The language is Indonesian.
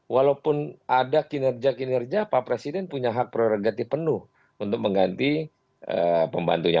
walaupun ada kinerja kinerja pak presiden punya hak prerogatif penuh untuk mengganti pembantunya